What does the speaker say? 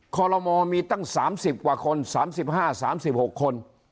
ขอลโงมีตั้งสามสิบกว่าคนสามสิบห้าสามสิบหกคน